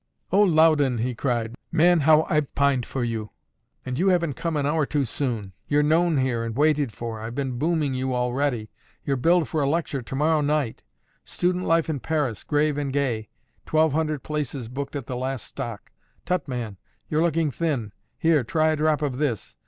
"O Loudon!" he cried. "Man, how I've pined for you! And you haven't come an hour too soon. You're known here and waited for; I've been booming you already; you're billed for a lecture to morrow night: Student Life in Paris, Grave and Gay: twelve hundred places booked at the last stock! Tut, man, you're looking thin! Here, try a drop of this."